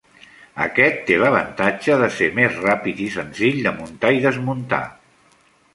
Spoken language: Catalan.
Aquest té l'avantatge de ser més ràpid i senzill de muntar i desmuntar.